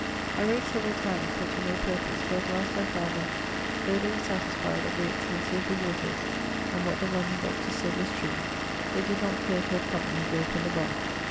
I wrote severall times, but to no purpose, for at last I found that, though they were satisfied of the excellency of the waters and what the London doctors sayd was true, they did not care to have company goe from the Bath.